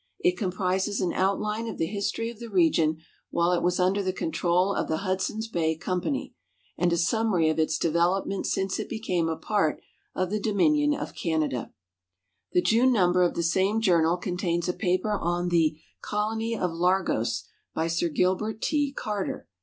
It comprises an outline of the history of the region Avhile it was under tlie control of the Hudson's Bay Com pany and a summary of its development since it became a part of the •Dominion of Canada. Tlie June number of tlie same Journal contains a paper on the " Colony of Largos, by Sir Gilbert T. Carter.